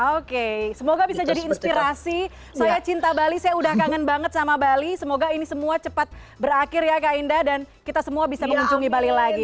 oke semoga bisa jadi inspirasi saya cinta bali saya udah kangen banget sama bali semoga ini semua cepat berakhir ya kak indah dan kita semua bisa mengunjungi bali lagi